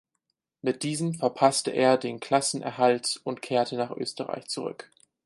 Mit diesem verpasste er den Klassenerhalt und kehrte nach Österreich zurück.